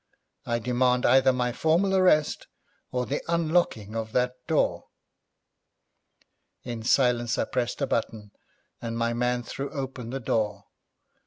I demand either my formal arrest, or the unlocking of that door.' In silence I pressed a button, and my man threw open the door.